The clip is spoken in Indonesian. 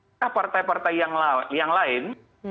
apakah partai partai yang lain